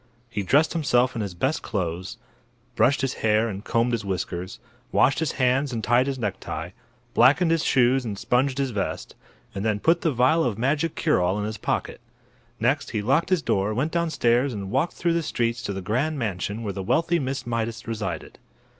He dressed himself in his best clothes, brushed his hair and combed his whiskers, washed his hands and tied his necktie, blackened his shoes and sponged his vest, and then put the vial of magic cure all in his pocket. Next he locked his door, went downstairs and walked through the streets to the grand mansion where the wealthy Miss Mydas resided.